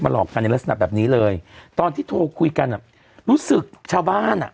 หลอกกันในลักษณะแบบนี้เลยตอนที่โทรคุยกันอ่ะรู้สึกชาวบ้านอ่ะ